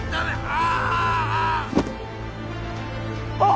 ああ！